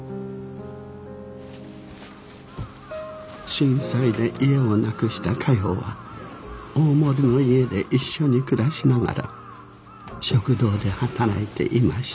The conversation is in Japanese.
震災で家をなくしたかよは大森の家で一緒に暮らしながら食堂で働いていました。